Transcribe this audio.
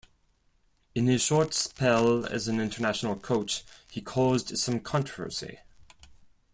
In his short spell as an international coach, he caused some controversy.